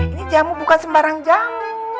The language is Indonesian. ini jamu bukan sembarang jamu